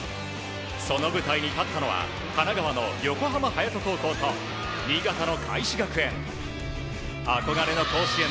その舞台に立ったのは神奈川の横浜隼人高校と新潟の開志学園。